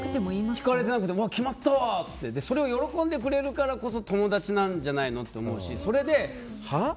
聞かれてなくても言ってそれを喜んでくれるからこそ友達なんじゃないのと思うしそれで、はあ？